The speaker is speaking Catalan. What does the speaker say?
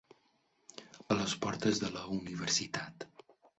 A les portes de la universitat.